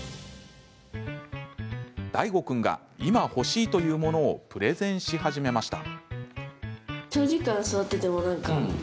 大悟君が今、欲しいというものをプレゼンし始めました。